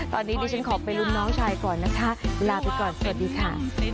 ตอนนี้ดิฉันขอไปลุ้นน้องชายก่อนนะคะลาไปก่อนสวัสดีค่ะ